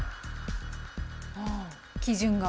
あ基準が。